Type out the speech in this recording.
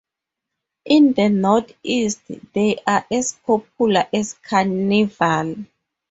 In the Northeast, they are as popular as Carnival.